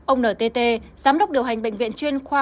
ông ntt giám đốc điều hành bệnh viện chuyên khoa